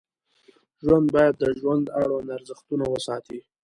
ژوند باید د ژوند اړوند ارزښتونه وساتي.